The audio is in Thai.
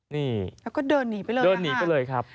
นี่แล้วก็เดินหนีไปเลยเดินหนีไปเลยครับ